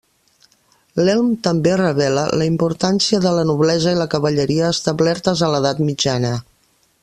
L'elm també revela la importància de la noblesa i la cavalleria establertes en l'edat mitjana.